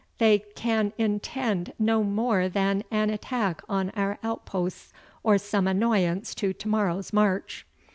They can intend no more than an attack on our outposts, or some annoyance to to morrow's march."